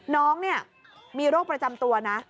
น้องเนี่ยมีโรคประจำตัวนะ